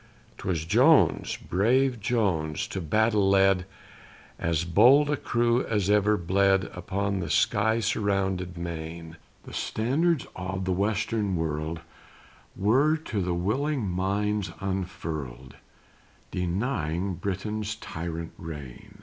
'Twas Jones, brave Jones, to battle led As bold a crew as ever bled Upon the sky surrounded main; The standards of the western world Were to the willing winds unfurl'd, Denying Britain's tyrant reign.